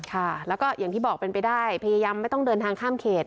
ค่ะแล้วก็อย่างที่บอกเป็นไปได้พยายามไม่ต้องเดินทางข้ามเขต